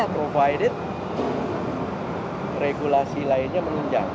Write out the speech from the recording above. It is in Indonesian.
provided regulasi lainnya meluncang